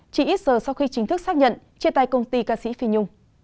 chỉ ít giờ sau khi chính thức xác nhận chia tay công ty ca sĩ phi nhung